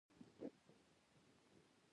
د مډرنې نړۍ له نورو وګړو سره سیال کېدو لاره ده.